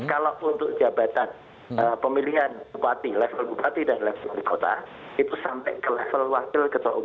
kalau untuk jabatan pemilihan bupati level bupati dan level kota itu sampai ke level wakil ketua umum